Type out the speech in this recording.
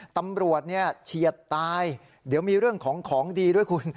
ตำรวจเนี่ยเฉียดตายเดี๋ยวมีเรื่องของของดีด้วยคุณ